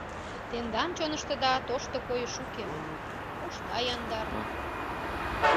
Тендан чоныштыда тошто койыш уке, ушда яндар.